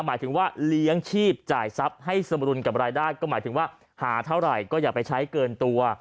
หมายถึงว่าเลี้ยงชีพจ่ายทรัพย์ให้สมรุนกับรายได้ก็หมายถึงว่าหาเท่าไหร่ก็อย่าไปใช้เกินตัว